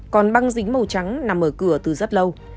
còn băng dính màu trắng nằm ở cửa từ rất lâu